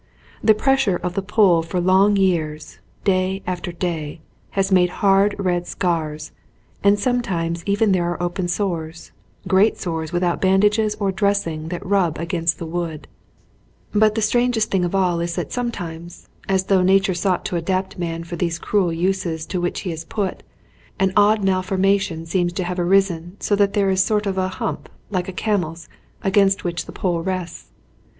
The pres sure of the pole for long years, day after day, has made hard red scars, and sometimes even there are open sores, great sores without bandages or dressing that rub against the wood; but the 78 THE BEAST OF BURDEN strangest thing of all is that sometimes, as though nature sought to adapt man for these cruel uses to which he is put, an odd malformation seems to have arisen so that there is a sort of hump, like a camel's, against which the pole rests.